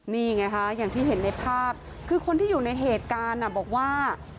นี่ไงฮะอย่างที่เห็นในภาพคือคนที่อยู่ในเหตุการณ์บอกว่า